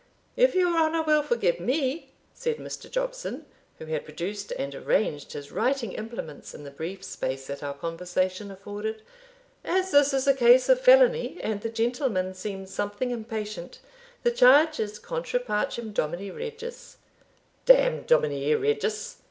"If your honour will forgive me," said Mr. Jobson, who had produced and arranged his writing implements in the brief space that our conversation afforded; "as this is a case of felony, and the gentleman seems something impatient, the charge is contra pacem domini regis" "D n _dominie regis!